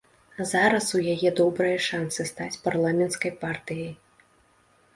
Зараз у яе добрыя шансы стаць парламенцкай партыяй.